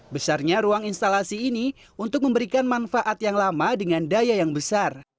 besarnya ruang instalasi ini untuk memberikan manfaat yang lama dengan daya yang besar